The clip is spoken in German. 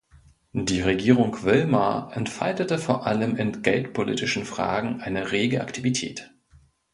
Die Regierung Willmar entfaltete vor allem in geldpolitischen Fragen eine rege Aktivität.